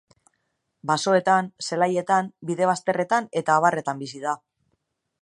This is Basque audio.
Basoetan, zelaietan, bide bazterretan eta abarretan bizi da.